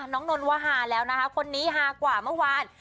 นนว่าฮาแล้วนะคะคนนี้ฮากว่าเมื่อวาน